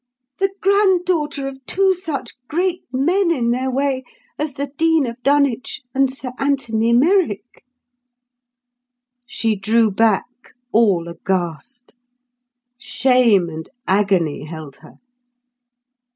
The granddaughter of two such great men in their way as the Dean of Dunwich and Sir Anthony Merrick! She drew back, all aghast. Shame and agony held her.